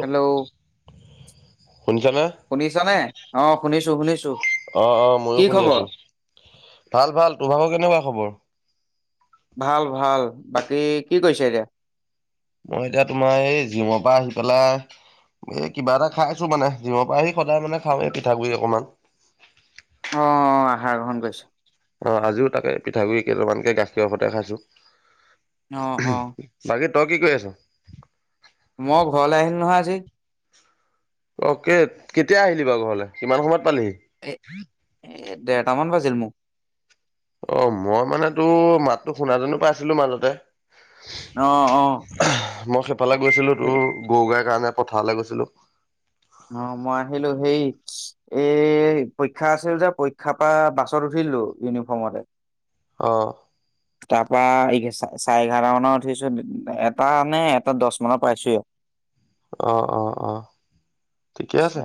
Hello শুনিছানে? শুনিছ নে অ শুনিছো শুনিছো অ অ কি মইও শুনি খবৰ? আছো ভাল ভাল তোৰ ভাব কেনেকুৱা খবৰ ভাল ভাল বাকী কি কৰিছে এতিয়া মই এতিয়া তোমাৰ এই জিমৰ পৰা আহি পেলাই এই কিবা এটা খাইছো মানে যিমৰ পৰা আহি সদায় মানে খাওঁ এই পিঠাগুডৰি অকমান আহ আহাৰ গ্ৰহণ কৰিছো অ আজিও তাকে পিঠাগুডৰি কেইটামানকে গাখীৰ সতে খাইছো অ অ বাকী তই কি কৰি আছ জে অ কে কেতিয়া আহিলি বাৰু ঘৰলে কিমান সময়ত এ পালিহি এ দেৰটামান বাজিল মোক অ মই মানে তোৰ মাততো শুণাজনো পাইছিলো মাজতে অ অ। মই সেফালে গৈছিলো আহিলো। তোৰ গৰু গাই কাৰণে পথাৰলৈ গৈছিলো অ মই আহিলো সেই এই পৰীক্ষা আছিল যে পৰীক্ষাৰ পৰা বাছত উঠিলো ইউনিফৰ্মতে আহ বাঘ চাৰে এঘাৰ মানত উঠিছো এটা নে এটা দহ মানৰ পাইছো এ অ অ অ ঠিকে আছে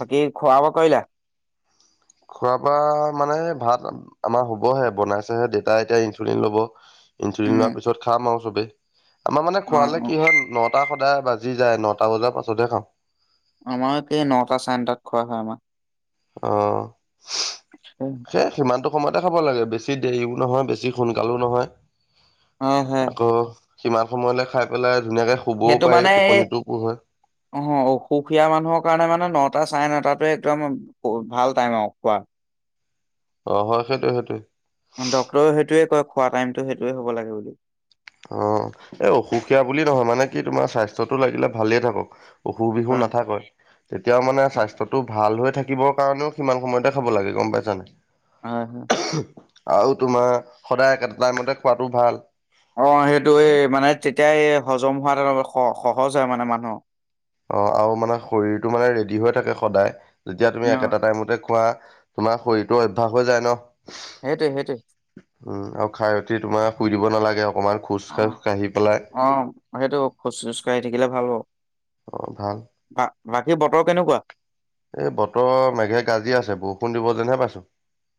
সকী খোৱাব কৈলা খোৱা বোৱা মানে ভাত আমাৰ হ'বহে বনাইছেহে দেতা এতিয়া ইনচুলিন ল'ব ইনচুলিন উম লোৱাৰ পিছত খাম আৰু চবে আমাৰ মানে অ খোৱালে অ কি হয় ন টা সদায় বাজি যায় নটা বজাৰ পাছতহে খাম আমাৰকে নটা চণ্টাত খোৱা হয় আমাক অ হয় সেই সিমানটো সময়তে খাব লাগে বেছি দেৰিও নহয় বেছি সোনকালো নহয় হয় আকৌ সিমান সময়লে খাই পেলাই ধুনীয়াকে শুবও সেইটো পাৰি মানে এই টোপনিটোও পূৰ হয়। অ অসুখীয়া মানুহৰ কাৰণে মানে ন এটা চাই ন তাতো একদম ভাল টাইম আৰু খোৱা, অ হয় সেইটোয়ে সেইটোয়ে ডক্তৰেও সেইটোৱে কয় খোৱা টাইমতটো সেইটোৱে হ'ব লাগে বুলি, অ এই অসুখীয়া বুলি নহয় মানে কি তোমাৰ স্বাস্থ্যটো লাগিলে ভালে থাকক। অসুখ বিসুখ হয় নাথাকে, তেতিয়াও মানে স্বাস্থ্যটো ভাল হৈ থাকিবৰ কাৰণেও সমান সময়তে খাব লাগে গম পাইছানে? হ হ আৰু তোমাৰ সদায় একেটা টাইমতে খোৱাটো ভাল। অ সেইটো এই মানে তেতিয়াই হজম হোৱা এ অল সহজ হয় মানে মানুহ অ আৰু মানে শৰীৰটো মানে ৰেডি হৈ থাকে সদায় যেতিয়া তুমি অ একেটা টাইমতে খোৱা। তোমাৰ শৰীৰটো অভ্যাস হৈ যায় ন সেইটোৱে সেইটোৱে উম আৰু খাই উঠি তোমাৰ শুই দিব নালাগে আও, অ অ সেইটো খোজ চোজ কাঢ়ি থাকিলে ভাল হব। অ ভাল বা বাকী বতৰ কেনেকুৱা? এই বতৰ মেঘে গাজি আছে বৰষুণ দিব যেনহে পাইছো।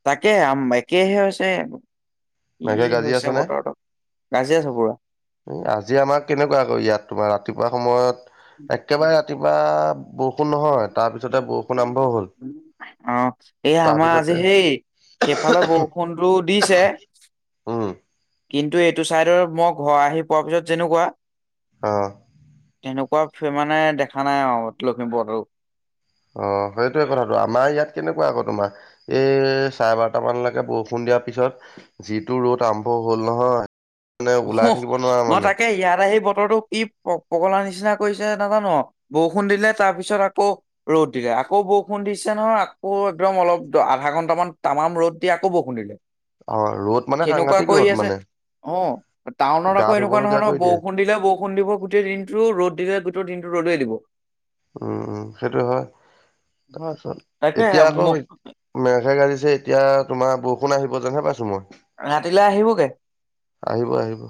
তাকে আম একেহে হৈছে কি মেঘে গাজি হৈছে আছে নে বতৰটোত আজি আমাৰ কেনেকুৱা আকৌ ইয়াত তোমাৰ ৰা ৰাতিপুৱা সময়ত পুৰা একেবাৰে ৰাতিপুৱা অ বৰষুণ নহয় তাৰপিছতে বৰষুণ আৰম্ভ হ'ল। অ' এই আমাৰ আজি তাৰপিছতে সেই সেইফালে বৰষুণটো দিছে। উম কিন্তু এইটো চাইডৰ মই ঘৰ আহি পোৱা পিছত যেনেকুৱা অ'। তেনেকুৱা মানে দেখা নাই আৰু লখিমপুৰতো। অ' সেইটোয়ে কথাটো আমাৰ ইয়াত কেনেকুৱা আকৌ তোমাৰ এই চাৰে বাৰটামানলৈকে বৰষুণ দিয়াৰ পিছত যিটো ৰ'দ আৰম্ভ, হ'ল নহয়। মানে ওলাই অ' থাকিব নোৱাৰা মই মানে তাকে ইয়াত আহি বতৰটো কি পগলা নিচিনা কৰিছে নাজানো ন বৰষুণ দিলে তাৰপিছত আকৌ ৰ'দ দিলে আকৌ বৰষুণ দিছে, নহয় আকৌ একদম অলপ আধা ঘন্টামান তামাম ৰ'দ দি আকৌ বৰষুণ দিলে। অ ৰ'দ মানে সেনেকুৱা সাংঘাতিক কৰি ৰ'দ আছে মানে অ'। টাউনত গা আকৌ এনেকুৱা নহয় ধুবলগীয়া ন কৰি দিয়ে বৰষুণ দিলে বৰষুণ দিব গোটেই দিনটো ৰদ দিলে গোটেই দিনটো। টো ৰ'দে দিব। উম উম সেইটো হয়। হয় তাৰপিছত তাকে এতিয়া আকৌ মেঘে গাজিছে এতিয়া তোমাৰ বৰষুণ বৰষুন আহিব যেনহে পাইছো মই। ৰাতিলৈ আহিবগে, আহিব আহিব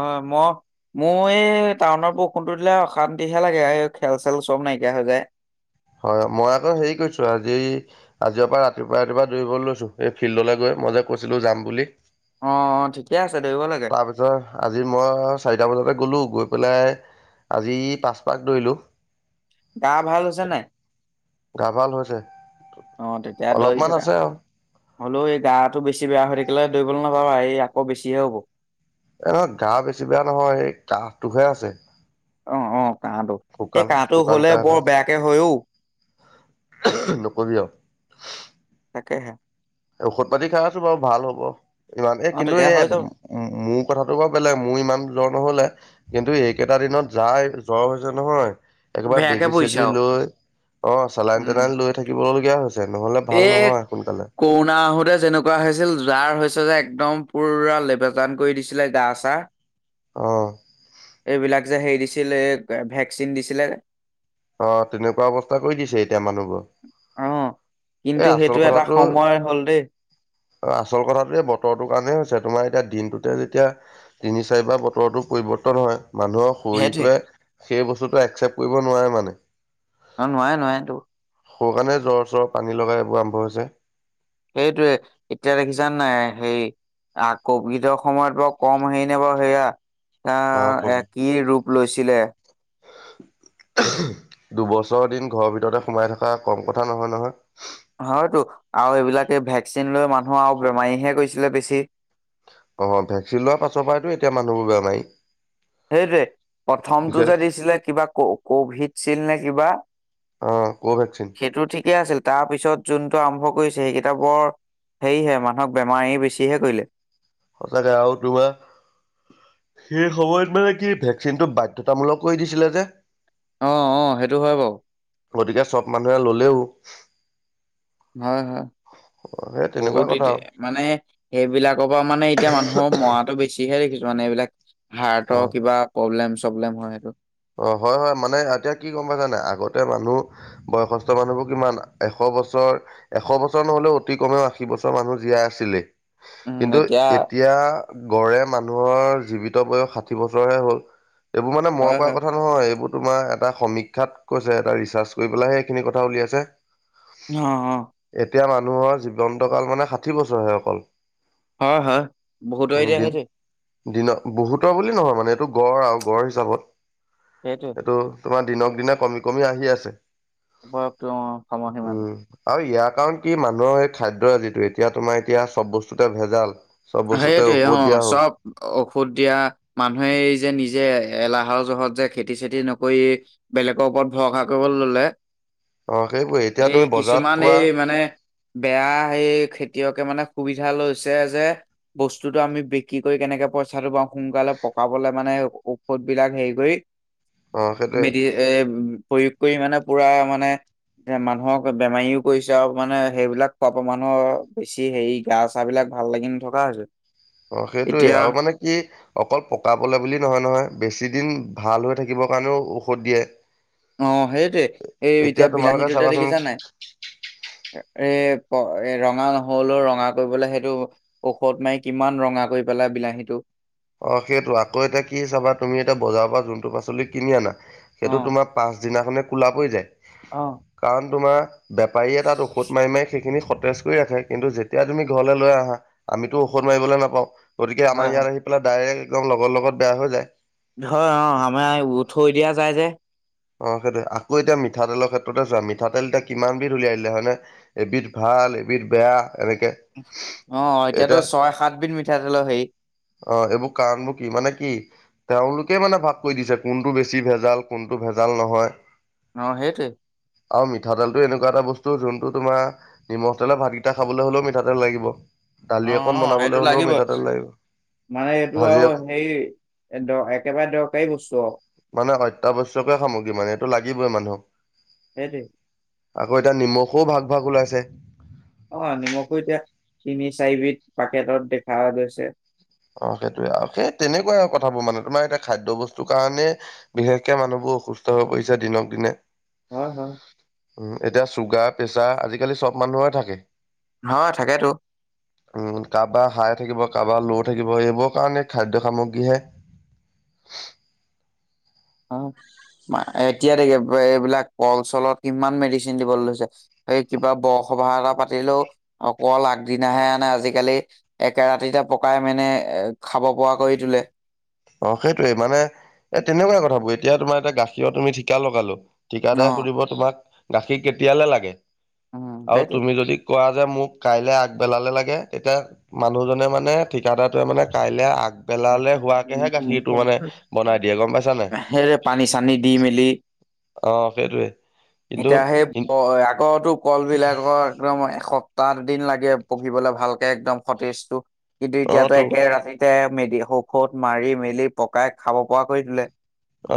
অ' মই মোৰ এই টাউনৰ বৰষুণটো দিলে অশান্তিহে লাগে এই খেল চেল চব নাইকিয়া হৈ যায়। হয়, মই আকৌ হেৰি কৰিছো আজি আজিৰে পৰা ৰাতিপুৱা ৰাতিপুৱা দৌৰিবলৈ লৈছো এই ফিল্ডলৈ গৈ। মই যে কৈছিলো যাম বুলি। অ'অ'ঠিকে আছে। দৌৰিব লাগে তাৰ পিছত আজি মই চাৰিটা বজাতে গ'লো গৈ পেলাই, আজি পাচপাক দৌৰিলো। গা ভাল হৈছে নে নাই? গা ভাল হৈছে অ' তেতিয়া দৌৰি অলপমান থকা। আছে আৰু হ'লেও এই গাটো বেছি বেয়া হৈ থাকিলে দৌৰিবলৈ নাযাবা এই আকৌ বেছিহে হ'ব। এনে গা বেছি বেয়া নহয় এই কাহটোহে আছে। অ' অ' কাহটো, সেই শুকান কাহটো শুকান হলে কাহ এটা বৰ বেয়াকে হয়ও। নকবি আৰু। তাকেহে। ঔষধ পাতি খাই আছো বাৰু ভাল হ'ব। ইমান এই অ কিন্তু তেতিয়া হৈ এই যাব মোৰ কথাটো বাৰু বেলেগ মোৰ ইমান জ্বৰ নহলে কিন্তু এইকেইটা দিনত যাৰ জ্বৰ হৈছে নহয়। একেবাৰে বেয়াকে বেজি পৰিছে চেজি আৰু লৈ অ' চেলাইন উম তেলাইন লৈ থাকিব লগীয়া হৈছে। নহলে ভাল নহয় সোনকালে। তে যেনেকুৱা হৈছিল যাৰ হৈছে যে একদম পুৰা লেবেজান কৰি দিছিলে গা চা। অ'। এইবিলাক যে হেৰি দিছিল এই ভেকচিন দিছিলে। অ' তেনেকুৱা অৱস্থা কৰি দিছে এতিয়া মানুহবোৰক। অ কিন্তু সেইটো এটা সময় হ'ল দেই। আৰু আচল কথাটো বতৰটোৰ কাৰণে হৈছে তোমাৰ এতিয়া দিনটোতে যেতিয়া তিনি চাৰিবাৰ বতৰতো পৰিব। ন হয় মানুহৰ সেইটোৱে শৰীৰটোৱে সেই বস্তুটো একচেপ্ট কৰিব নোৱাৰে মানে। অ'নোৱাৰে নোৱাৰেতো। সেইকাৰণে জ্বৰ চ্বৰ পানী লগা এইবোৰ আৰম্ভ হৈছে। সেইটোৱে, এতিয়া দেখিছানে নাই সেই আৰু কভিডৰ সময়ত বাৰু কম হেৰি নে বাৰু সেয়া। অ' এয়া কি ৰূপ লৈছিলে। দু বছৰ দিন ঘৰৰ ভিতৰতে সোমাই থকা কম কথা নহয় নহয়। হয়তো আৰু এইবিলাকে ভেকচিন লৈ মানুহ আৰু বেমাৰীহে কৰিছিলে বেছি অ ভেকচিন লোৱাৰ পাছৰ পৰাইতো এতিয়া মানুহবোৰ বেমাৰী সেইটোৱে প্ৰথমটো বিশেষ যে দিছিলে কিবা ক কভিড চিল্ড নে কিবা অ ক ভেকচিন শিকে আছিল তাৰ পিছত যোনটো আৰম্ভ কৰিছে সেইকেইটাপৰ সেয়হে মানুহক বেমাৰ এৰি বেছিহে কৰিলে সঁচাকে আৰু তু বা সেই সময়ত মানে কি ভেকচিনটো বাধ্যয়তামূলক কৰি দিছিলে যে অ অ সেইটো হয় বাৰু গতিকে চব মানুহে ললেও হয় হয় সেই তেনেকুৱা বহুত কথা এতিয়া আৰু মানে সেইবিলাকৰ পৰা মানে এতিয়া মানুহৰ মৰাটো বেছি যিহে দেখিছো মানে এইবিলাক হাৰ্টৰ অ কিবা প্ৰব্লেম চব্লেম হয় সেইটো অ হয় হয় মানে এতিয়া কি গম পাইছানে আগতে মানুহ বয়সস্থ মানুহবোৰ কিমান এশ বছৰ এশ বছৰ নহলেও অতি কমেও আশী বছৰ মানুহ জীয়াই আছিলে। কিন্তু এতিয়া গড়ে মানুহৰ জীৱিত- বয়স ষাঠি বছৰ হে হ'ল এইবোৰ মানে মই হয় ক হয় কথা নহয় এইবোৰ তোমাৰ এটা সমীক্ষাত কৈছে এটা ৰিচাৰ্চ কৰি পেলাইহে সখিনি কথা উলিয়াইছে। অ অ এতিয়া মানুহৰ জীৱন্ত কাল মানে ষাঠি বছৰহে অকল অ হা বহুত এতিয়া সেইটোৱে দনৰ বহুতৰ বুলি নহয় মানে এইটো গড় আৰু গড় হিচাপত সেইটোৱে এইটো তোমাৰ দিনক দিনা কমি কমি আহি আছে বয়সটো অ সময় সীমাটো উম আৰু ইয়াত কাৰণ কি মানুহৰ সেই খাদ্য যিটো এতিয়া তোমাৰ এতিয়া চব বস্তুতে ভেজাল চব বস্তুতে সেইটোয়ে অ ঔষধ দিয়া হ'ল চব ঔষধ দিয়া মানুহে এই যে নিজে এলাহৰ জহত যে খেতি চেতি নকৰি বেলেগৰ ওপৰত ভৰসা কৰিবলৈ ললে অ সেইবোৰে এতিয়া এই তুমি বজাৰত কিছুমান পোৱা এই মানে বেয়া এই খেতিয়কে মানে সুবিধা লৈছে যে বস্তুটো আমি বিক্ৰী কৰি কেনেকে পইচাটো বাওঁ সোনকালে পকাবলে মানে ঔষধ বিলাক হেৰি কৰি অ সেইটোৱে মেডি এ প্ৰয়োগ কৰি মানে পুৰা মানে এ মানুহক বেমাৰীও কৰিছে আৰু মানে সেইবিলাক খোৱাৰ পৰা মানুহৰ বেছি হেৰি গা চা বিলাক ভাল লাগি নথকা হৈছে অ সেইটোয়ে এতিয়া আৰু মানে কি অকল পকাবলে বুলি নহয় নহয় বেছি দিন ভাল হৈ থাকিবৰ কাৰণেও ঔষধ দিয়ে অ সেইটোৱে সেই এতিয়া তোমালোকে বিলাহীটোতে চাবাচোন দেখিছা নাই এ ৰঙা নহলেও ৰঙা কৰিবলে সেইটো ঔষধ মাৰি কিমান ৰঙা কৰি পেলাই বিলাহীটো অ সেইটো আকৌ এতিয়া কি চাব মি এতিয়া বজাৰৰ পৰা যোনটো পাচলি কিনি আনাা অ সেইটো তোমাৰ পাচদিনাখনে কোলা পৰি যায় অ কাৰণ তোমাৰ বেপাৰীয়ে তাত ঔষধ মাৰি মাৰি সেইখিনি তেজ কৰি ৰাখে কিন্তু যেতিয়া তুমি ঘৰলৈ লৈ আহা আমিতো ঔষধ মাৰিবলৈ নাপাওঁ গতিকে আমাৰ হয় ইয়াত আহি ডাইৰেক্ট একদম লগৰ লগত বেয়া হৈ যায় ধৰ অ আমাৰ উ থৈ দিয়া যায় যে অ সেইটোয়ে আকৌ এতিয়া মিঠাতেলৰ ক্ষেত্ৰতে চোৱা মিঠাতেল এতিয়া কিমান বিধ উলিয়াই আহিলে হয়নে এবিধ ভাল এবিধ বেয়া এনেকে অ এতিয়াতো এতিয়া ছয় সাতবিধ মিঠাতেলৰ হেৰি অ এইবোৰ কাৰণবোৰ কি মানে কি তেওঁলোক তে মানে ভাগ কৰি দিছে কোনটো বেছি ভেজাল কোনটো ভেজাল নহয় অ সেইটোৱে আৰু মিঠাতেলটো এনেকুৱা এটা বস্তু যোনটো তোমাৰ নিমখ তেলৰ ভাতকেইটা খাবলৈ হলেও মিঠাতেল লাগিব। দালি অ অকণ অ বনাবলৈ সেইটো হ'লেও লাগিব। মিঠাতেল লাগিব মানে এইটো ভাজি আৰু হেই একেবাৰে দৰকাৰী বস্তু। অত্যাৱশ্যকে সামগ্ৰী মানে এইটো লাগিবই মানুহক। সেই দে। আকৌ এতিয়া নিমখও ভাগ ভাগ ওলাইছে। অ নিমখো এতিয়া তিনি চাৰিবিধ পাকেটত দেখা গৈছে। অ সেইটোয়ে আৰু সেই তেনেকুৱা আৰু কথাবোৰ মানে তোমাৰ এতিয়া খাদ্য বস্তুৰ কাৰণে বিশেষকে মানুহবোৰ। অসুস্থ হৈ পৰিছে দিনক দিনে। হয় হয়। উ এতিয়া চুগাৰ প্ৰেছাৰ আজিকালি চব মানুহৰে থাকে। হয় থাকেতো। উম কাৰোবাৰ হাই থাকিব কাৰোবাৰ ল'ও। থাকিব এইবোৰ কাৰণে খাদ্য সামগ্ৰীহে। অ এতিয়া দোকে এইবিলাক কল চলত কিমান মেডিচিন দিবলৈ লৈছে। সেই কিবা বৰসভাহ এটা পাতিলেও অকল আগদিনাহে আনে আজিকালি একে ৰাতিত। পকাই মানে এ খাব পৰা কৰি তোলে। অ সেইটোয়ে মানে এ তেনেকুৱা কথাবোৰ এতিয়া তোমাৰ এতিয়া গাখীৰ তুমি ঠিকা লগালো। ন ঠিকাদাৰ সুধিব তোমাক গাখীৰ কেতিয়ালৈ লাগে উম আৰু সেইটোৱে। তুমি যদি কোৱা। যে মোক কাইলে আগবেলালে লাগে তেতিয়া মানুহজনে মানে ঠিকাদাৰটোৱে মানে কাইলে আগ। ন [unintelligible] বনাই দিয়ে গম পাইছা নাই সে পানী চানি দি মেলি। অ সেইটোৱে কিন্তু এতিয়া সেই আকৌ কল বিলাকৰ একদম। এসপ্তাহ দিন লাগে পকীবলে ভালকে একদম সতেজটো কিন্তু অ এতিয়াতো তো একে ৰাতিতে। মেলি ঊষত মাৰি মেলি পকাই খাব পৰা কৰি তোলে।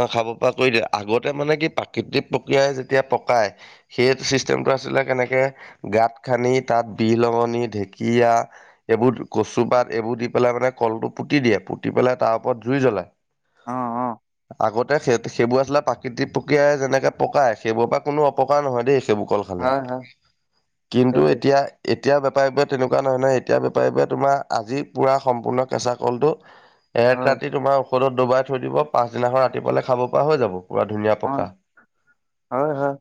অ খাব পৰা কৰি দিয়ে আগতে মানে কি প্ৰাকৃতিক প্ৰক্ৰিয়াই যেতিয়া পকাই সেই চিষ্টেম। আছিলে কেনেকে গাত খান্দি তাত বিলঙনী ধেকিয়া এইবোৰ। পাত এইবোৰ দি পেলাই মানে কলটো পুতি দিয়ে পুতি পেলাই তাৰ ওপৰত জুই জ্বলায়। অহ অ। আগতে সেই সেইবোৰ আছিললে প্ৰাকৃতিক প্ৰক্ৰিয়াই যেনেকৈ পকায় সেইবোৰৰ পৰা কোনো অপকাৰ নহয় দেই সেইবোৰ। কল খালে হয়, হয়, কিন্তু সেইটো এতিয়া। এতিয়া বেপাৰীবোৰে তেনেকুৱা নহয় নহয় এতিয়া বেপাৰীবোৰে তোমাৰ আজি পূৰা সম্পূৰ্ণ কেঁচা কলটো। এক হয়, ৰাতি তোমাৰ ঔষধত ডুবাই থৈ দিব পাছদিনাখন ৰাতিপ পালে খাব পৰা হৈ যাব। পুৰা ধুনীয়া অ', পকা হয়, হয়।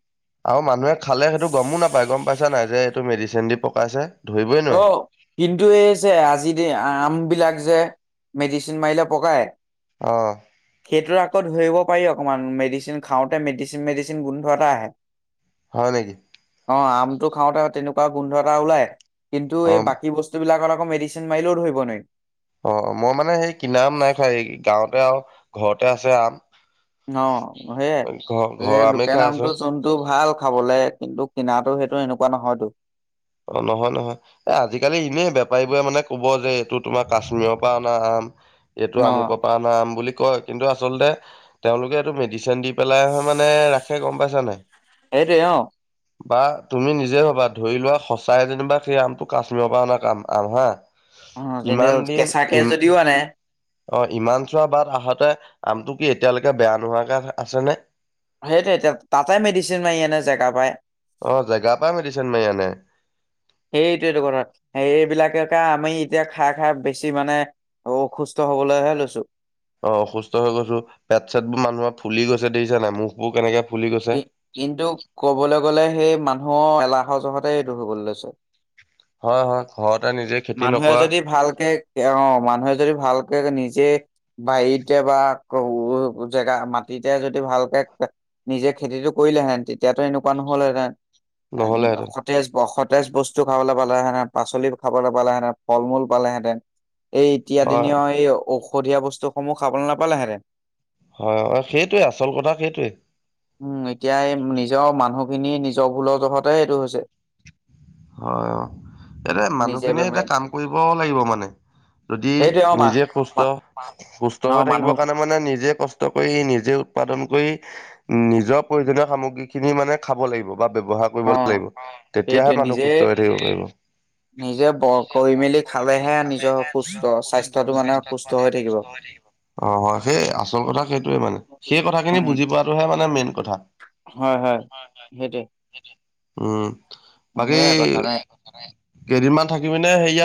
আৰু মানুহে খালে সেইটো গমো নাপায় গম পাই। বোজিছা নাই যে এইটো মেডিচিন দি পকাইছে। ধৰিবই অ নোৱাৰে। কিন্তু এই যে আজি আম বিলাক যে। মেডিচিন মাৰিলে পকায় অঁ সেইটোৰ আকৌ ধৰিব পাৰি। অকণমান মেডিচিন খাওঁতে মেডিচিন মেডিচিন গোন্ধোৱা এটা আহে। হয় নেকি? আহ আমটো খাওঁতে তেনেকুৱা গোন্ধ এটা ওলাই। কিন্তু এই অঁ বাকী বস্তু বিলাকৰ আকৌ মেডিচিন মাৰিলেও ধৰিব নি। অঁ মই মানে সেই কিনা আম নাই খোৱা এই গাঁৱতে আৰু ঘৰতে আছে আম। অ সেইয়ে ঘৰ এই ঘৰৰ আমেই লোকে খাই আছো নামটো চোনটো ভাল খাবলে কিন্তু। কিনাতটো সেইটো এনেকুৱা নহয়তো। অ নহয় নহয় এ আজিকালি এনেই বেপাৰীবোৰে মানে কব যে এইটো তোমাৰ কাশ্মীৰৰ পৰা অনা আম। এইটো আমুকৰ অ', পৰা ন আম বুলি কয় কিন্তু আচলতে তেওঁলোকে এইটো মেডিচিন দি। পেলাই মানে ৰাখে গম পাইছা নাই। সেইটোৱে অ। বা তুমি নিজে হবা ধৰি লোৱা সঁচাই যেনিবা সেই আমটো কাশ্মীৰৰ পৰা অনা কাম আম হা। অ', যেনে ইমান দিন কেঁচাকে যদিও ই। আনে অ ইমান চোৱা বাট আহাতে আমটো কি এতিয়ালৈকে বেয়া নোহাকৈ আছেনে। সেইট তাতে মেডিচিন মাৰি এনে জেগা পায় অ জেগা পৰা মেদিছিন মাই আনে সেইটো এইটো কথা এইবিলাকে কে আমি এতিয়া খাই খাই বেছি মানে অ অসুস্থ হবলৈহে লৈছো অ অসুস্থ হৈ গৈছো পেট চেট বোৰ মানুহৰ ফুলি গৈছে দেখিছা নাই মুখবোৰ কেনেকে ফুলি গৈছে। কি কিন্তু ক'বলৈ গ'লে সেই মান হ এলাহৰ জহতে এইটো হবলে লৈছে হয় হয় হয় মানুহে যদি ভালকে অ মানুহে যদি ভালকে নিজে বাৰীতে বা জেগা মাটিতে যদি ভালকে নিজে খেতিটো কৰিলেহেতেন তেতিয়াতো এনেকুৱা নহলহেঁতেন নহ'লেহেঁতেন সতেজ বস ফজ বস্তু খাবলৈ পালেহেঁতেন পাচলি খাবলৈ পালেতেন ফল মূল পালেঁতেন এই এতিয়া হয় দিনীয় এই ঔষধীয়া বস্তুসমূহ খাবলৈ নাপালেহেঁতেন হয় হয় সেইটোৱে আচল কথা সেইটোৱে উম এতিয়া এই নিজৰ মানুহখিনি নিজৰ ভুলৰ জহতে এইটো হৈছে হয় অ এয়া নিজে মানুহখিনিয়ে বেমাৰী এতিয়া কাম কৰিব লাগিব মানে যদি সেইটোৱে অ মা নিজে সুস্থ সুস্থ অ হৈ মানুহ থাকিবৰ কাৰণে মানে নিজে কষ্ট নষ্ট কৰি নিজে উৎপাদন কৰি নিজৰ প্ৰয়োজনীয় সামগ্ৰী খিনি মানে খাব লাগিব বা ব্যৱহাৰ কৰিব অ লাগিব সেইটোৱে তেতিয়াহে মানুহ নিজে সুস্থ হৈ থাকিব পাৰিব নিজে ব কৰি মেলি খালেহে নিজৰ সুস্থ স্বাস্থ্যটো মানে সুস্থ হৈ থাকিব অ হয় সেই আচল কথা সেইটোয়ে সেই কথাখিনি উম বুজি পোৱাটোহে মানে মেইন কথা হয় হয় সেইটোৱে উম বাকী সেইয়াই কথা নাই কেইদিনমান থাকিবি নে সেই ইয়াত